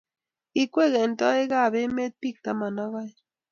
Kikwei kantointet ab emet biik taman ak oeng.